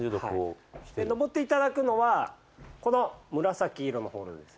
登っていただくのはこの紫色のホールドです。